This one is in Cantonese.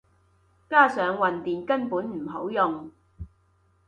加上混電根本唔好用